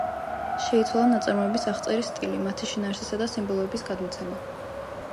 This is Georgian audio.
შეიცვალა ნაწარმოების აღწერის სტილი, მათი შინაარსისა და სიმბოლოების გადმოცემა.